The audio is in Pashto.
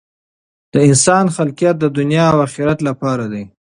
د انسان خلقت د دنیا او آخرت لپاره دی.